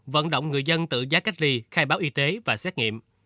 vận động người dân tự giá cách ly khai báo y tế và xét nghiệm